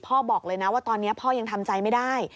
บอกเลยนะว่าตอนนี้พ่อยังทำใจไม่ได้